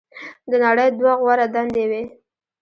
"د نړۍ دوه غوره دندې وې.